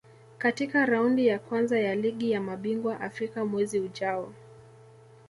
katika Raundi ya Kwanza ya Ligi ya Mabingwa Afrika mwezi ujao